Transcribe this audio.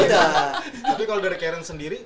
iya tapi kalau dari karen sendiri